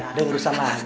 udah urusan bang duit gua